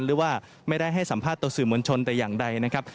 หรือว่าไม่ได้ให้สัมภาษณ์ต่อสื่อมวลชนแต่อย่างใดนะครับ